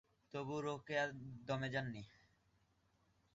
তবু রোকেয়া দমে যাননি।